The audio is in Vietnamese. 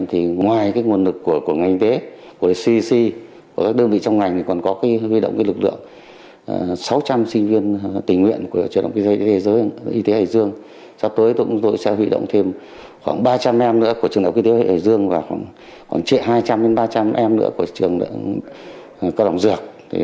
hải dương và khoảng hai trăm linh ba trăm linh em nữa của trường cơ đồng dược